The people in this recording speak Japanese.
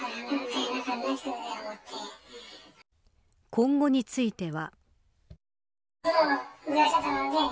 今後については。